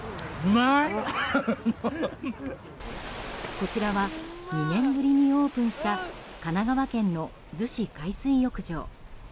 こちらは２年ぶりにオープンした神奈川県の逗子海水浴場。